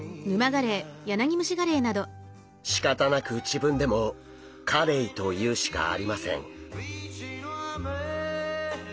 しかたなく自分でも「カレイ」と言うしかありません。